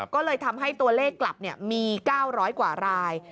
ก็เลยทำให้ตัวเลขกลับมี๙๐๐กว่าราย